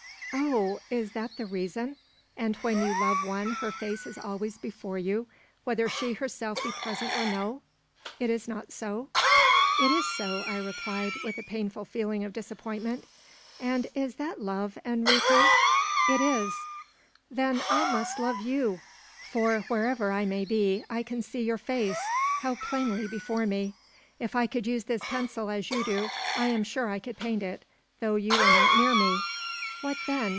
"Oh! is that the reason? And when you love one, her face is always before you, whether she herself be present or no? Is it not so?" "It is so," I replied, with a painful feeling of disappointment. "And is that love, Enrique?" "It is." "Then must I love you; for, wherever I may be, I can see your face: how plainly before me! If I could use this pencil as you do, I am sure I could paint it, though you were not near me! What then?